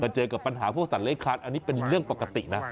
เจอกับปัญหาพวกสัตว์เล็กคานอันนี้เป็นเรื่องปกตินะ